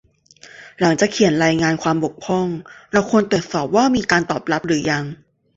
หลังจากเขียนรายงานความบกพร่อง เราควรตรวจสอบว่ามีการตอบรับหรือยัง